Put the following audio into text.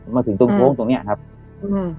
มาถึงตรงโค้งตรงเนี้ยครับอ่า